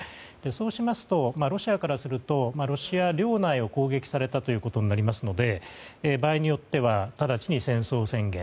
そうしますとロシアからしますとロシア領内を攻撃されたということになりますので場合によっては直ちに戦争宣言。